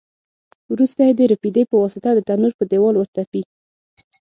وروسته یې د رپېدې په واسطه د تنور په دېوال ورتپي.